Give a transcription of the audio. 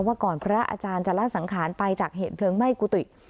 ว่าก่อนพระอาจารย์จะละสังขารไปจากเหตุเพลิงไหม้กุฏิ